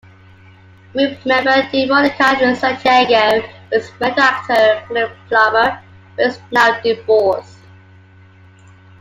Group member DeMonica Santiago was married to actor Glenn Plummer, but is now divorced.